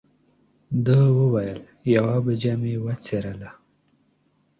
ده و ویل: یوه بوجۍ مې وڅیرله.